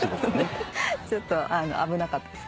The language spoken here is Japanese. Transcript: ちょっと危なかったです。